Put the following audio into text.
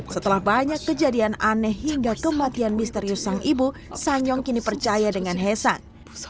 setelah banyak kejadian aneh hingga kematian misterius sang ibu sanyong kini percaya dengan hesan